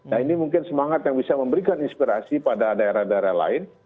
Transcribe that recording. nah ini mungkin semangat yang bisa memberikan inspirasi pada daerah daerah lain